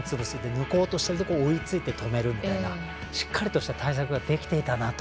抜こうとしたら追いついて止めるみたいなしっかりとした対策ができていたなと。